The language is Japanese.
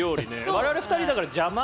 我々２人だから邪魔。